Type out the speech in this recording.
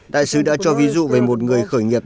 đại sứ đã cho ví dụ về một người khởi nghiệp